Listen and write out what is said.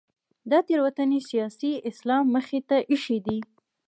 دا تېروتنې سیاسي اسلام مخې ته اېښې دي.